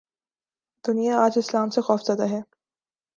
: دنیا آج اسلام سے خوف زدہ ہے۔